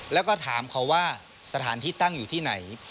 แล้วก็ถามเขาว่าสถานที่ตั้งอยู่ที่ไหน